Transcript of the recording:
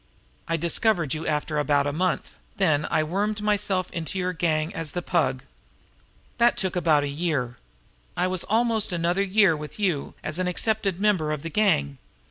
"I discovered you after about a month; then I wormed myself into your gang as the Pug. That took about a year. I was almost another year with you as an accepted member of the gang.